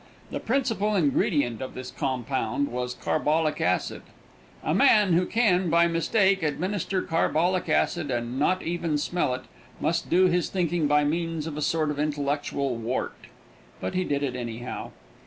The principal ingredient of this compound was carbolic acid. A man who can, by mistake, administer carbolic acid and not even smell it, must do his thinking by means of a sort of intellectual wart. But he did it, anyhow.